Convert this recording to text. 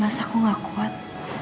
maaf mas aku gak kuat